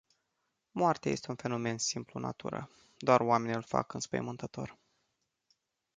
Moartea este un fenomen simplu în natură. Doar oamenii îl fac înspăimântător.